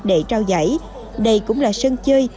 để trao giải đây cũng là sân chơi